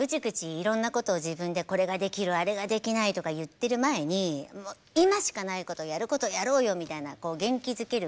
いろんなことを自分でこれができるあれができないとか言ってる前に今しかないことやることやろうよみたいな元気づける